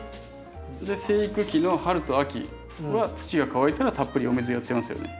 で生育期の春と秋は土が乾いたらたっぷりお水やってますよね？